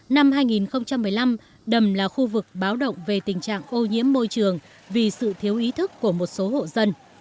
năm hai nghìn một mươi năm đầm là khu vực báo động về tình trạng ô nhiễm môi trường vì sự thiếu ý thức của một số hộ dân